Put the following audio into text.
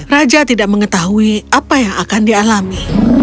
raja tidak mengetahui apa yang akan dialami